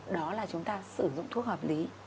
đó là chúng ta sử dụng thuốc hợp lý